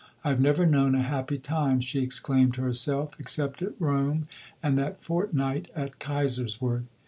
"I have never known a happy time," she exclaimed to herself, "except at Rome and that fortnight at Kaiserswerth.